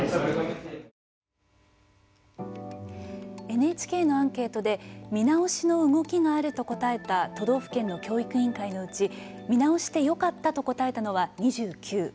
ＮＨＫのアンケートで見直しの動きがあると答えた都道府県の教育委員会のうち見直してよかったと答えたのは２９。